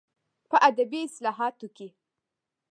په ادبي اصلاحاتو